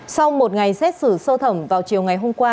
sau một ngày xét xử sơ thẩm vào chiều ngày hôm qua